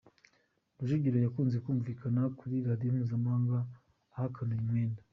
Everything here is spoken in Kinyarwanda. Rujugiro yakunze kumvikana kuri radio mpuzamahanga ahakana uyu mwenda.